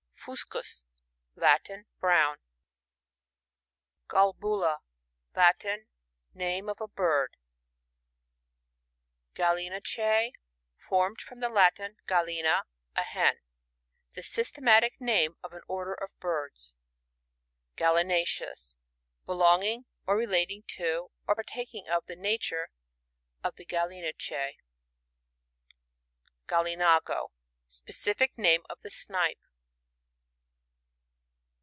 Fuscus.^ — Latin. Brown. Galbula. — ^Latin. Name of a bird. Gallinacejs. — Formed from the I«atin, gaUxfifty a hen. The sys tematic name of an order of birds. Galunaceous.— Belonging or relat ing to, or partaking of the nature of the Gallinacese. Galunago. — Specific name of the Snipe.